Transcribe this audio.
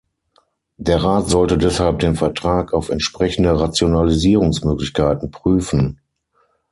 Der Rat sollte deshalb den Vertrag auf entsprechende Rationalisierungsmöglichkeiten prüfen.